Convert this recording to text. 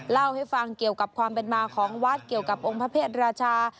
เล่าให้ฟังเกี่ยวกับความเป็นมาของวัดเกี่ยวกับองค์พระเพศราชา